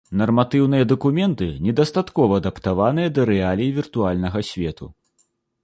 Нарматыўныя дакументы недастаткова адаптаваныя да рэалій віртуальнага свету.